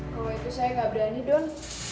kalau itu saya nggak berani dong